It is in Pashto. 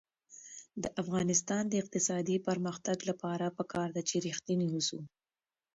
د افغانستان د اقتصادي پرمختګ لپاره پکار ده چې ریښتیني اوسو.